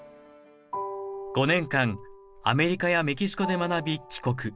５年間アメリカやメキシコで学び帰国。